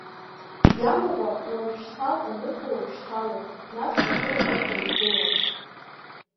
Иамукәа, уажәшьҭал анырҳәо уажәшьҭалом, нас угыл анырҳәо узгылом.